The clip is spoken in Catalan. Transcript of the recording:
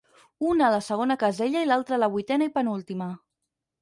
Una a la segona casella i l'altra a la vuitena i penúltima.